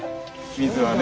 水はね。